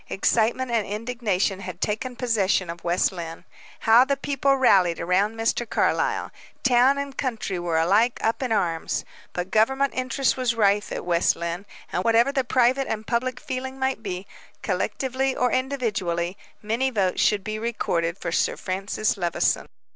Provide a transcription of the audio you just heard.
Excitement and indignation had taken possession of West Lynne. How the people rallied around Mr. Carlyle! Town and country were alike up in arms. But government interest was rife at West Lynne, and, whatever the private and public feeling might be, collectively or individually, many votes should be recorded for Sir Francis Levison.